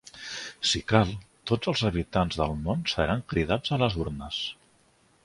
Si cal, tots els habitants del món seran cridats a les urnes.